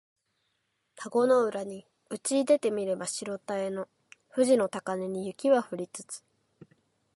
田子の浦にうちいでて見れば白たへの富士の高嶺に雪は降りつつ